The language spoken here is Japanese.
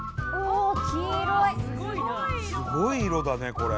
すごい色だねこれ。